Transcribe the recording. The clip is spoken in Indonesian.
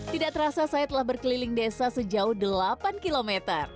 tidak terasa saya telah berkeliling desa sejauh delapan km